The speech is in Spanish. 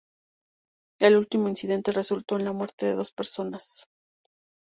El último incidente, resultó en la muerte de dos personas.